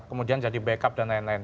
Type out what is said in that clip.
kemudian jadi backup dan lain lain